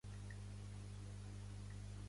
Va formar part d'encara més grups de treball?